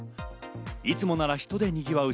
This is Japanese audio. いつもなら人でにぎわう